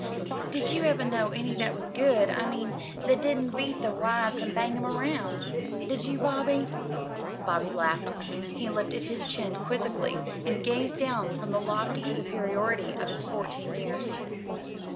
"Did you ever know any that was good, I mean that didn't beat their wives and bang 'em 'round? Did you, Bobby?" Bobby laughed. He lifted his chin quizzically, and gazed down from the lofty superiority of his fourteen years.